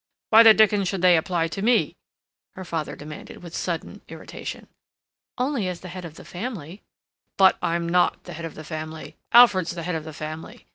"Why the dickens should they apply to me?" her father demanded with sudden irritation. "Only as the head of the family—" "But I'm not the head of the family. Alfred's the head of the family.